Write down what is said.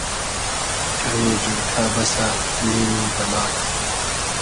امی جورکۂ بئسۂ نیمی بئلا رۂ